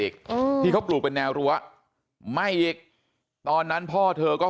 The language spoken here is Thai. อืมที่เขาปลูกเป็นแนวรั้วไหม้อีกตอนนั้นพ่อเธอก็